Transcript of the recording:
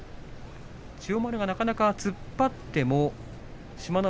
千代丸がなかなか突っ張っても志摩ノ